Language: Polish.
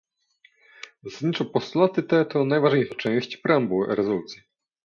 Zasadniczo postulaty te to najważniejsza część preambuły rezolucji